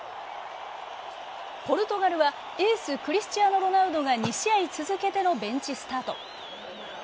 ポルトガルはエースクリスチアーノ・ロナウドが２試合続けてのベンチスタート。